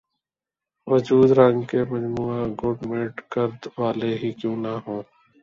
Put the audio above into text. وجود رنگ کے مجموعہ گڈ مڈ کر د والے ہی کیوں نہ ہوں